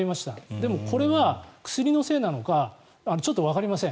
でもこれは薬のせいなのかちょっとわかりません。